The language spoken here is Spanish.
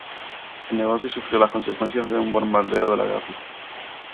El negocio sufrió las consecuencias de un bombardeo durante la guerra.